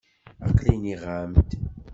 Aqli nniɣ-am-d.